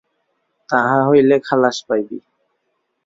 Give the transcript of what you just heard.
তাহা হইলে খালাস পাইবি।